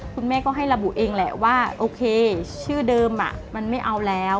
คุณแม่ก็ให้ระบุเองแหละว่าโอเคชื่อเดิมมันไม่เอาแล้ว